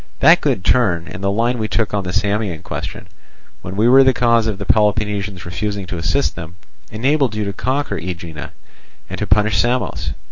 That good turn, and the line we took on the Samian question, when we were the cause of the Peloponnesians refusing to assist them, enabled you to conquer Aegina and to punish Samos.